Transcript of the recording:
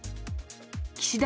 岸田